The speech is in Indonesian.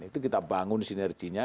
itu kita bangun sinerginya